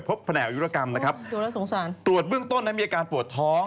พบแผนการเป็นลมตรวจเบื้องต้นมีอาการปวดท้อง